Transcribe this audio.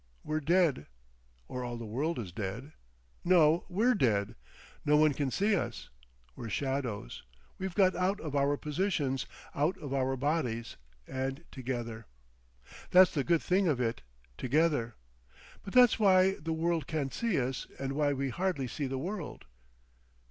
We're dead. Or all the world is dead. No! We're dead. No one can see us. We're shadows. We've got out of our positions, out of our bodies—and together. That's the good thing of it—together. But that's why the world can't see us and why we hardly see the world.